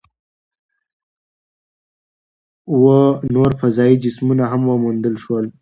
اووه نور فضايي جسمونه هم وموندل شول.